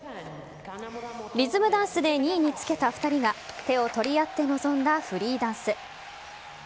リズムダンスで２位につけた２人が手を取り合って臨んだフリーダンス。